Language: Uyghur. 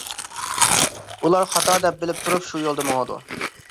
ئۇلار خاتا دەپ بىلىپ تۇرۇپ شۇ يولدا ماڭىدۇ.